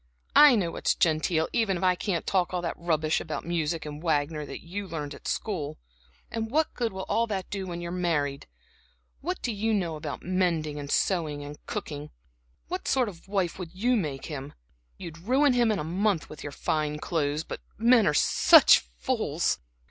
I know what's genteel, even if I can't talk all that rubbish about music and Wagner that you learned at school. And what good will all that do you when you're married? What do you know about mending and sewing and cooking? What sort of a wife would you make him? You'd ruin him in a month with your fine clothes. But men are such fools!"